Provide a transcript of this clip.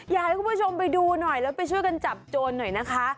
อยากให้คุณผู้ชมไปดูหน่อยแล้วไปช่วยกันจับโจรหน่อยนะคะ